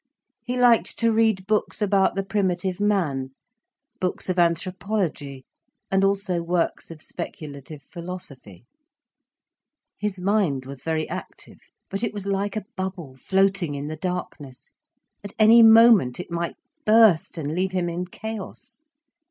He liked to read books about the primitive man, books of anthropology, and also works of speculative philosophy. His mind was very active. But it was like a bubble floating in the darkness. At any moment it might burst and leave him in chaos.